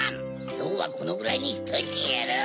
きょうはこのぐらいにしといてやる！